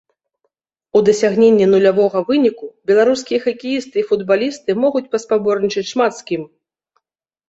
У дасягненні нулявога выніку беларускія хакеісты і футбалісты могуць паспаборнічаць шмат з кім.